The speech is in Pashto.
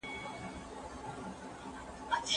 هغې دغه خوږ خوب رښتیا کړ.